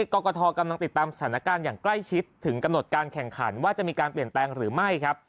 กรกฐกำลังติดตามสถานการณ์อย่างใกล้ชิดถึงกำหนดการแข่งขันว่าจะมีการเปลี่ยนแปลงหรือไม่ครับ